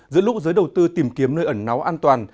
giữa lúc giới đầu tư tìm kiếm nơi ẩn náu an toàn